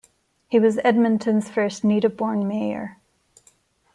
He was Edmonton's first native-born mayor.